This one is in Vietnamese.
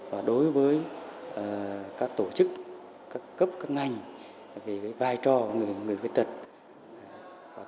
và đối với các tổ chức các cấp các ngành về vai trò người khuyết tật